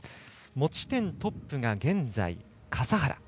持ち点トップが現在、笠原。